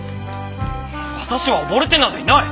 私は溺れてなどいない！